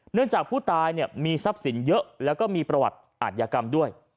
เนื่องจากผู้ตายมีทรัพย์สินเยอะและมีประวัติอาญากรรมด้วย